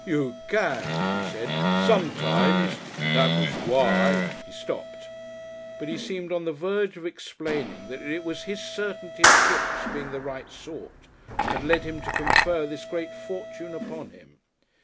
"You can," he said, "sometimes. That was why " he stopped, but he seemed on the verge of explaining that it was his certainty of Kipps being the right sort had led him to confer this great Fortune upon him.